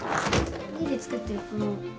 家で作ってるこの。